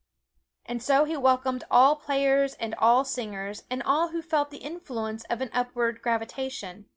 And so he welcomed all players and all singers, and all who felt the influence of an upward gravitation.